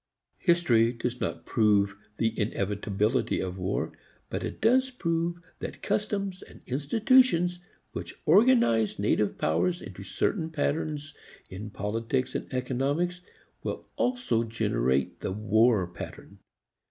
History does not prove the inevitability of war, but it does prove that customs and institutions which organize native powers into certain patterns in politics and economics will also generate the war pattern.